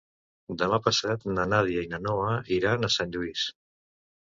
Demà passat na Nàdia i na Noa iran a Sant Lluís.